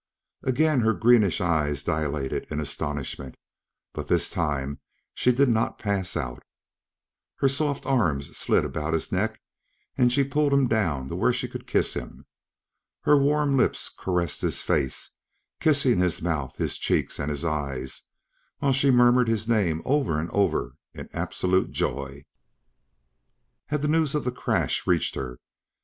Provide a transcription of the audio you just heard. Again her greenish eyes dilated in astonishment, but this time she did not pass out. Her soft arms slid about his neck and she pulled him down to where she could kiss him. Her warm lips caressed his face, kissing his mouth, his cheeks and his eyes, while she murmured his name over and over in absolute joy. Had news of the crash reached her?